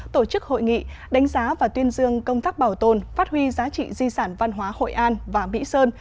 tổ chức hội nghị đánh giá và tuyên dương công tác bảo tồn phát huy giá trị di sản văn hóa hội an và mỹ sơn